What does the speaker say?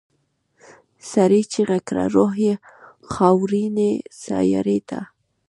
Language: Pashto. سړي چيغه کړه روح یې خاورینې سیارې ته.